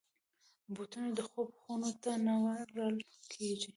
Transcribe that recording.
بوټونه د خوب خونو ته نه وړل کېږي.